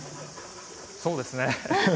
そうですね。